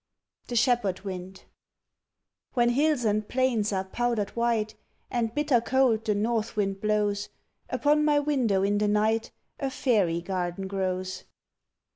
THE SHEPHERD WIND When hills and plains are powdered white, And bitter cold the north wind blows, Upon my window in the night A fairy garden grows.